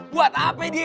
buat apa dia